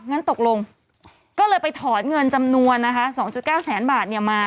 งั้นตกลงก็เลยไปถอนเงินจำนวนนะคะ๒๙แสนบาทเนี่ยมา